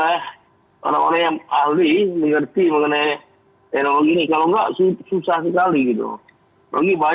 dengan teknologi yang terus berkembang pesat ini